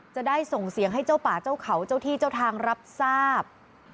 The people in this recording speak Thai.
จะได้ส่งเสียงให้เจ้าป่าเจ้าเขาเจ้าที่เจ้าทางรับทราบ